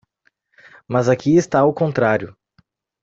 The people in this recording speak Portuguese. Mas aqui está o contrário.